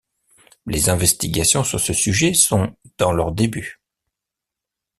Les investigations sur ce sujet sont dans leur début.